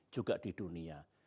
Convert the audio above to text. juga di dunia